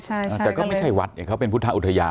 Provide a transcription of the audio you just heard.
แต่ก็ไม่ใช่วัดเนี่ยเขาเป็นพุทธอุทยาน